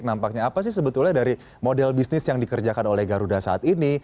nampaknya apa sih sebetulnya dari model bisnis yang dikerjakan oleh garuda saat ini